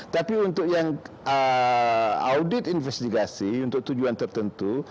tapi untuk yang audit investigasi untuk tujuan tertentu